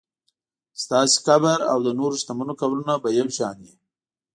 ستاسو قبر او د نورو شتمنو قبرونه به یو شان وي.